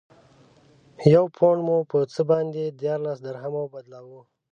یو پونډ مو په څه باندې دیارلس درهمو بدلاوه.